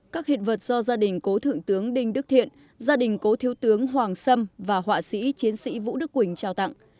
các hiện vật do gia đình cố thượng tướng đinh đức thiện gia đình cố thiếu tướng hoàng sâm và họa sĩ chiến sĩ vũ đức quỳnh trao tặng